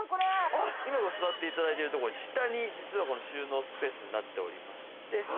座っていただいてるとこは下に実は収納スペースになっておりまして。